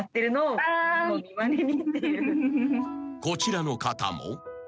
［こちらの方も］